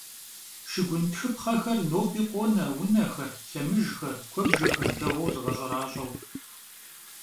Şşıgun txıpxheş'ıpxhexer nobi khone vunexer, lhemıjjxer, kuebjjexer değueu zığeş'eraş'eu.